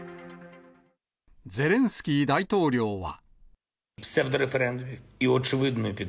ゼレンスキー大統領は。